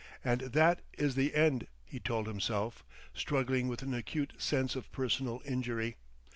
"And that is the end!" he told himself, struggling with an acute sense of personal injury.